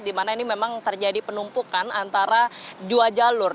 dimana ini memang terjadi penumpukan antara dua jalur